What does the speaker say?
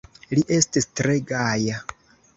Li estis tre gaja.